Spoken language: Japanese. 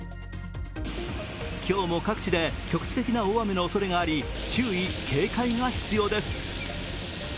今日も各地で局地的な大雨のおそれがあり注意・警戒が必要です。